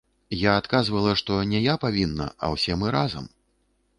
Я адказвала, што не я павінна, а ўсе мы разам.